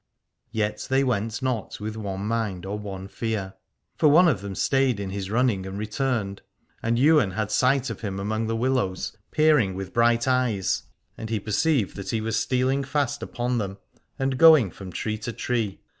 Yet they went not with one mind or one fear : for one of them stayed in his run ning and returned. And Ywain had sight of him among the willows, peering with bright eyes : and he perceived that he was stealing fast upon them, and going from tree to tree.